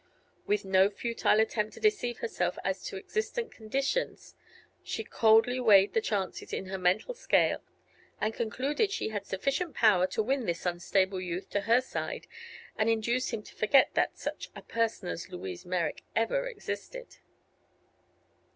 With no futile attempt to deceive herself as to existent conditions she coldly weighed the chances in her mental scale and concluded she had sufficient power to win this unstable youth to her side and induce him to forget that such a person as Louise Merrick ever existed.